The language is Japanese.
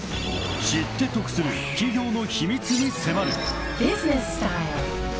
［知って得する企業の秘密に迫る］